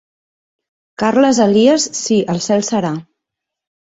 "Carles Elias: Sí, al cel serà".